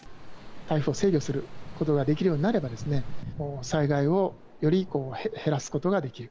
台風を制御することができるようになれば、災害をより減らすことができる。